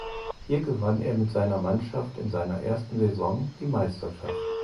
Hier gewann er mit seiner Mannschaft in seiner ersten Saison die Meisterschaft.